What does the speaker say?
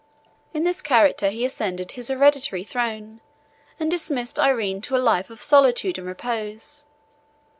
In this character he ascended his hereditary throne, and dismissed Irene to a life of solitude and repose.